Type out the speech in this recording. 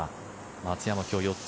松山、今日４つ